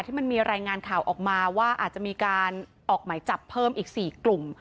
ที่มีรายงานข่าวออกมาว่าอาจจะมีการออกหมายจับเพิ่มอีก๔กลุ่ม